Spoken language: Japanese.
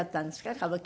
歌舞伎は。